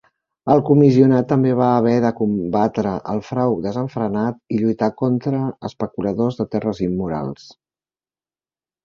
El comissionat també va haver de combatre el frau desenfrenat i lluitar contra especuladors de terres immorals.